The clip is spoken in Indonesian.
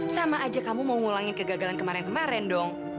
sama aja kamu mau ngulangin kegagalan kemarin kemarin dong